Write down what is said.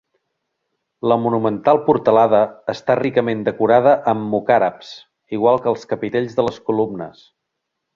La monumental portalada està ricament decorada amb mocàrabs, igual que els capitells de les columnes.